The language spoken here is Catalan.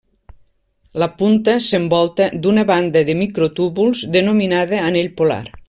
La punta s'envolta d'una banda de microtúbuls denominada anell polar.